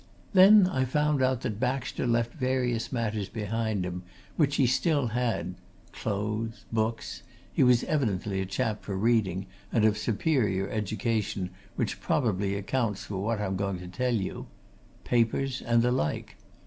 Then I found out that Baxter left various matters behind him, which she still had clothes, books (he was evidently a chap for reading, and of superior education, which probably accounts for what I'm going to tell you), papers, and the like.